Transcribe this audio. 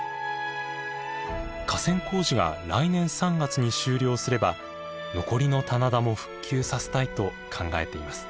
河川工事が来年３月に終了すれば残りの棚田も復旧させたいと考えています。